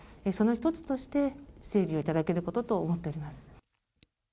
その一つとして、整備をいただけることと思っております。